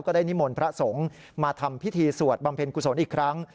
ได้นิมนต์พระสงฆ์มาทำพิธีสวดบำเพ็ญกุศลอีกครั้ง